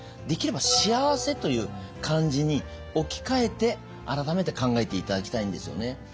できれば幸せという漢字に置き換えて改めて考えていただきたいんですよね。